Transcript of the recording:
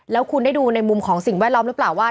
แล้วคุณได้ดูในมุมของสิ่งแวดล้อมหรือเปล่าว่า